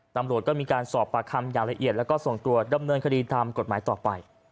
ตำรวจก็มีการสอบปากคำอย่างละเอียดแล้วก็ส่งตัวดำเนินคดีตามกฎหมายต่อไป